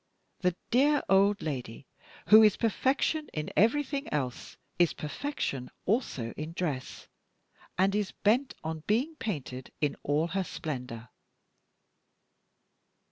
The dear old lady, who is perfection in everything else, is perfection also in dress, and is bent on being painted in all her splendor."